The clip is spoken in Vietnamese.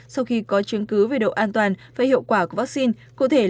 sau khi có chứng cứ về độ an toàn và hiệu quả của vaccine